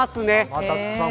天達さん